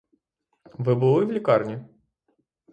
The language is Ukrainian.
Ви були в лікарні?